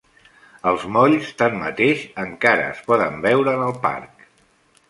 Els molls, tanmateix, encara es poden veure en el parc.